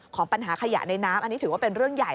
ของปัญหาขยะในน้ำอันนี้ถือว่าเป็นเรื่องใหญ่